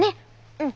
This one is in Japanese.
うん。